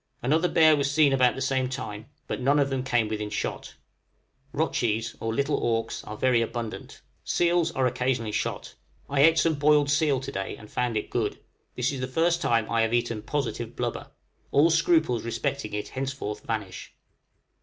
Another bear was seen about the same time, but none of them came within shot. Rotchies (or little auks) are very abundant. Seals are occasionally shot. I ate some boiled seal to day, and found it good: this is the first time I have eaten positive blubber; all scruples respecting it henceforth vanish.